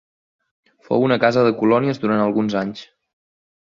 Fou una casa de colònies durant alguns anys.